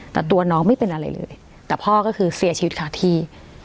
แต่ตัวน้องไม่เป็นอะไรเลยแต่พ่อก็คือเสียชีวิตขาดที่